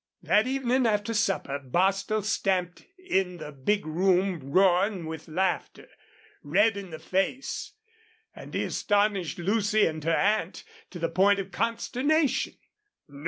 That evening after supper Bostil stamped in the big room, roaring with laughter, red in the face; and he astonished Lucy and her aunt to the point of consternation.